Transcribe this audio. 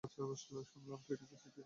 শুনলাম তুমি নাকি ছুটিতে যাচ্ছ?